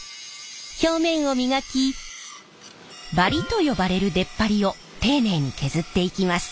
表面を磨きバリと呼ばれる出っ張りを丁寧に削っていきます。